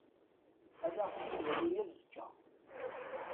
Ad aɣ-tt-id-yawi azekka.